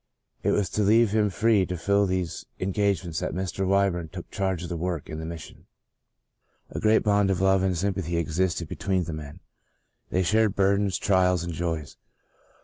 It was to leave him free to fill these engagements that Mr. Wy burn took charge of the work in the Mission. A great bond of love and sympathy ex isted between the men ; they shared burdens, trials and joys.